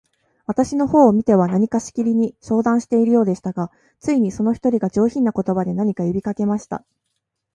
私の方を見ては、何かしきりに相談しているようでしたが、ついに、その一人が、上品な言葉で、何か呼びかけました。